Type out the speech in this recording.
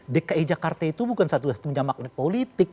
dki jakarta itu bukan satu satunya magnet politik